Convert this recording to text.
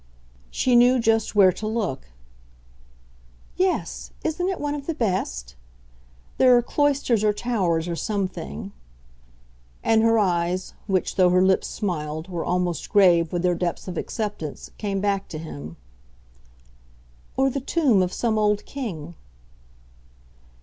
She knew just where to look. "Yes isn't it one of the best? There are cloisters or towers or some thing." And her eyes, which, though her lips smiled, were almost grave with their depths of acceptance; came back to him. "Or the tomb of some old king."